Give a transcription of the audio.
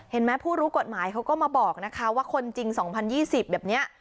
เห็นไหมผู้รู้กฎหมายเขาก็มาบอกนะคะว่าคนจริง๒๐๒๐แบบนี้